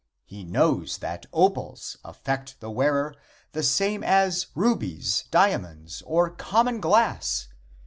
He knows that opals affect the wearer the same as rubies, diamonds or common glass.